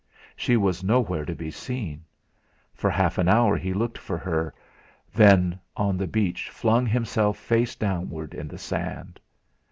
She was nowhere to be seen; for half an hour he looked for her; then on the beach flung himself face downward in the sand.